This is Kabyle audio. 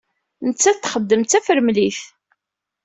Nettat txeddem d tafremlit.